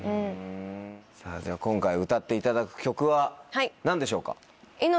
じゃ今回歌っていただく曲は何でしょうか？